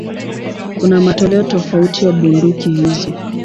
Kuna matoleo tofauti ya bunduki hizo.